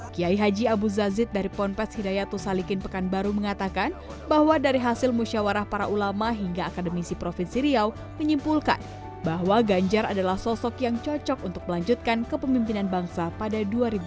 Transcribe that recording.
kiai haji abu zazid dari ponpes hidayatu salikin pekanbaru mengatakan bahwa dari hasil musyawarah para ulama hingga akademisi provinsi riau menyimpulkan bahwa ganjar adalah sosok yang cocok untuk melanjutkan kepemimpinan bangsa pada dua ribu dua puluh